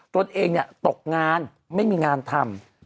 ตัวเองตกงานไม่มีงานทำ